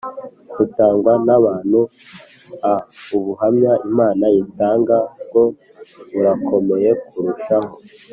butangwa n abantu a ubuhamya Imana itanga bwo burakomeye kurushaho